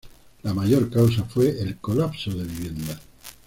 La mayor causa fue el colapso de viviendas.